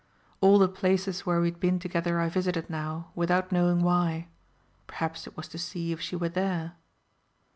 All the places where we had been together I visited now, without knowing why, perhaps it was to see if she were there.